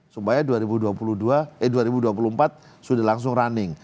supaya dua ribu dua puluh empat sudah langsung running